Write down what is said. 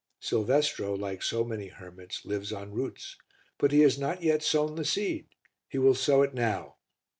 Silvestro, like so many hermits, lives on roots, but he has not yet sown the seed he will sow it now.